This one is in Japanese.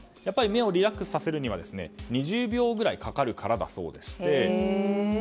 目をリラックスさせるには２０秒ぐらいかかるからだそうでして。